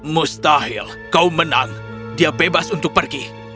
mustahil kau menang dia bebas untuk pergi